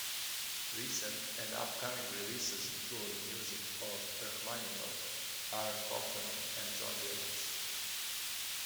Recent and upcoming releases include music of Rachmaninoff, Aaron Copland, and John Williams.